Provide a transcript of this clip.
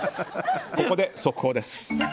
ここで速報です。